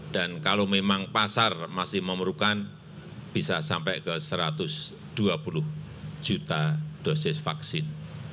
dan kalau memang pasar masih memerlukan bisa sampai ke satu ratus dua puluh juta dosis vaksin